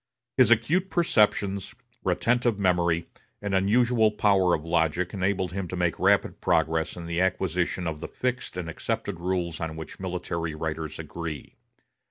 His acute perceptions, retentive memory, and unusual power of logic enabled him to make rapid progress in the acquisition of the fixed and accepted rules on which military writers agree.